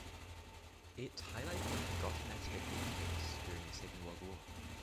It highlighted a forgotten aspect of defence during the Second World War.